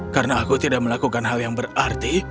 karena aku tidak melakukan hal yang berarti